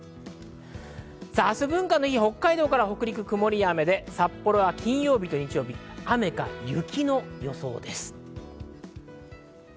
明日、文化の日は北海道から北陸、曇りや雨で札幌は金曜日と日曜日、雨か雪の予想です。